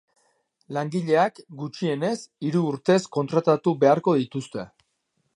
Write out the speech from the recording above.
Langileak, gutxienez, hiru urtez kontratatu beharko dituzte.